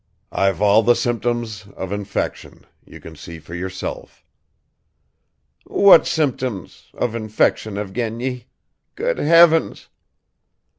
I've all the symptoms of infection, you can see for yourself." "What symptoms ... of infection, Evgeny? ... Good heavens!"